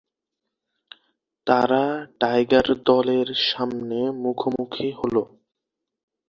তারা টাইগার দলের সামনে মুখোমুখি হলো।